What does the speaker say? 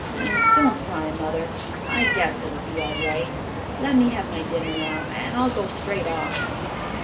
And don't cry, Mother, I guess it'll be all right. Let me have my dinner now and I'll go straight off."